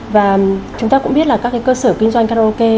và chúng ta cũng biết là các cơ sở kinh doanh karaoke